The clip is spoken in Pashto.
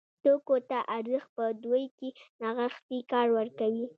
توکو ته ارزښت په دوی کې نغښتی کار ورکوي.